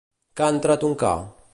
—Que ha entrat un ca?